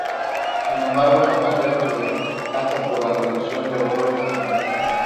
Sin embargo, Zapatero se decanta por la colección de autores extranjeros.